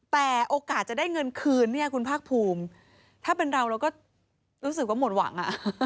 แต่โอกาสจะได้เงินคืนเนี่ยคุณภาคภูมิถ้าเป็นเราเราก็รู้สึกว่าหมดหวังอ่ะ